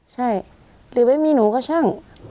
ใช่หรือไม่มีหนูก็ช่าง